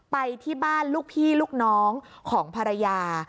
ไปที่บ้านลูกพี่ลูกน้องของภรรยา